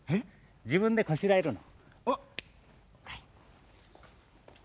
じぶんでこしらえるの。